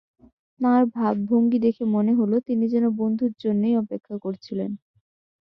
তাঁর ভাবতঙ্গি দেখে মনে হলো, তিনি যেন বন্ধুর জন্যেই অপেক্ষা করছিলেন।